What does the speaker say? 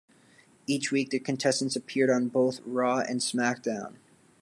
Each week, the contestants appeared on both "Raw" and "SmackDown!".